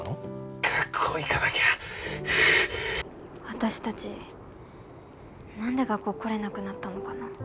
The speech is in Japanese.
私たち何で学校来れなくなったのかな。